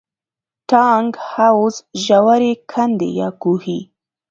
ټانک، حوض، ژورې کندې یا کوهي.